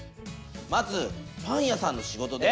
まずパン屋さんの仕事で。